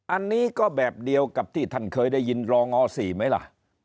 อันนี้ก็แบบเดียวกับที่ท่านเคยได้ยินรองอ๔ไหมล่ะ